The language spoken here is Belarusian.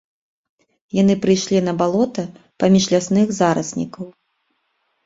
Яны прыйшлі на балота, паміж лясных зараснікаў.